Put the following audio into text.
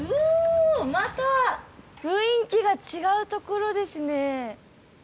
また雰囲気が違うところですね。